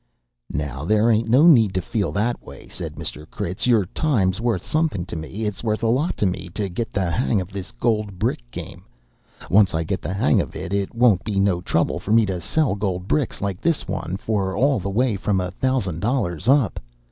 "Now, there ain't no need to feel that way," said Mr. Critz. "Your time's wuth somethin' to me it's wuth a lot to me to get the hang of this gold brick game. Once I get the hang of it, it won't be no trouble for me to sell gold bricks like this one for all the way from a thousand dollars up.